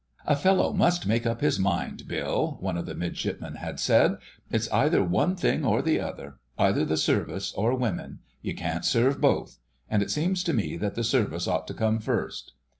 "A fellow must make up his mind, Bill," one of the midshipmen had said. "It's either one thing or the other—either the Service or Women. You can't serve both; and it seems to me that the Service ought to come first."